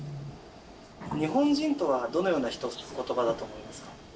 日本人とはどのような人を指す言葉だと思いますか？